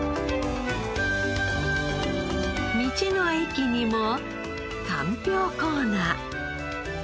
道の駅にもかんぴょうコーナー。